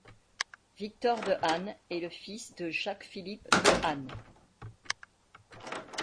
Victor De Haen est le fils de Jacques Philippe De Haen.